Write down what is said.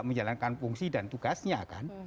menjalankan fungsi dan tugasnya kan